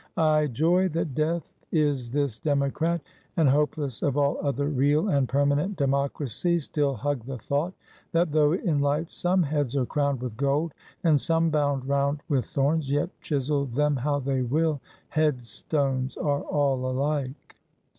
I joy that Death is this Democrat; and hopeless of all other real and permanent democracies, still hug the thought, that though in life some heads are crowned with gold, and some bound round with thorns, yet chisel them how they will, head stones are all alike.